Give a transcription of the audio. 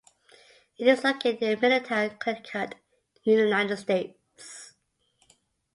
It is located in Middletown, Connecticut, United States.